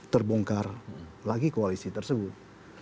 terbongkar lagi koalisi tersebut